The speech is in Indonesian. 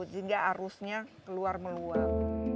sehingga arusnya keluar meluap